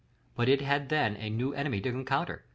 But it had then a new enemy to encounter.